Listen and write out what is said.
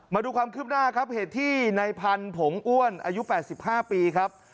มาดูความคืบหน้าครับเหตุที่ในพันธุ์ผงอ้วนอายุ๘๕ปีครับ